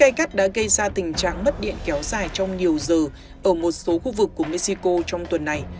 gây gắt đã gây ra tình trạng mất điện kéo dài trong nhiều giờ ở một số khu vực của mexico trong tuần này